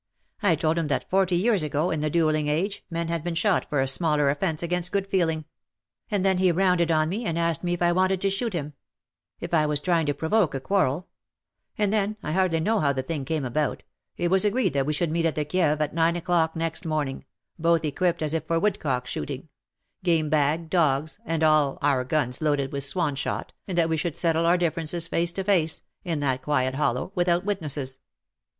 I told him that forty years ago, in the duelling age, men had been shot for a smaller offence against good feeliog; and then he rounded on me, and asked me if I 295 wanted to shoot him ; if I was trying to provoke a quarrel ; and then — I hardly know how the thing came about — it was agreed that we should meet at the Kieve at nine o^clock next morning, both equipped as if for woodcock shooting — game bag, dogs_, and all, our guns loaded with swan shot^ and that we should settle our differences face to face^ in that quiet hollow, without witnesses.